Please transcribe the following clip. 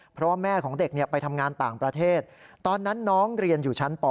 เพราะว่าแม่ของเด็กไปทำงานต่างประเทศตอนนั้นน้องเรียนอยู่ชั้นป